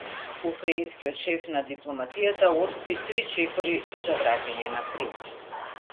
Украинскиот шеф на дипломатијата откри три чекори за враќање на Крим